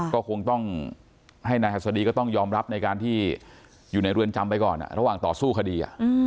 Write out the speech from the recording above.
ก็คงต้องให้นายหัสดีก็ต้องยอมรับในการที่อยู่ในเรือนจำไปก่อนระหว่างต่อสู้คดี